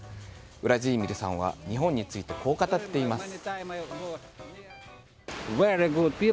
ウラジーミルさんは日本について、こう語っています。